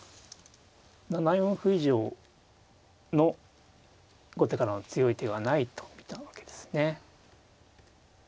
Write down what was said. ７四歩以上の後手からの強い手はないと見たわけですね。